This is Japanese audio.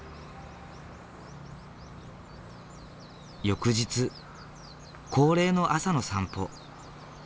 翌日恒例の朝の散歩。